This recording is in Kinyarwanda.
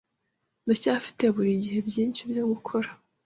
ndacyafite burigihe byinshi byogukora